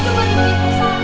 sialan sialan sialan